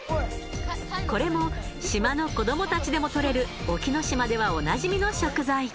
これも島の子どもたちでも獲れる隠岐の島ではおなじみの食材。